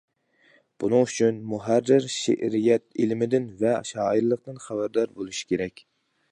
بۇنىڭ ئۈچۈن، مۇھەررىر شېئىرىيەت ئىلمىدىن ۋە شائىرلىقتىن خەۋەردار بولۇشى كېرەك.